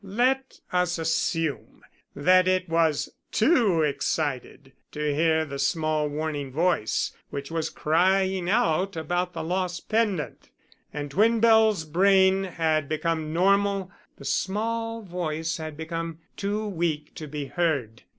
"Let us assume that it was too excited to hear the small warning voice which was crying out about the lost pendant. And when Bell's brain had become normal the small voice had become too weak to be heard.